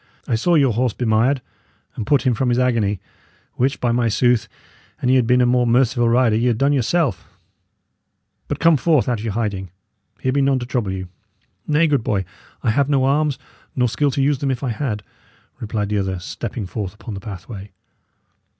I saw your horse bemired, and put him from his agony; which, by my sooth! an ye had been a more merciful rider, ye had done yourself. But come forth out of your hiding. Here be none to trouble you." "Nay, good boy, I have no arms, nor skill to use them if I had," replied the other, stepping forth upon the pathway.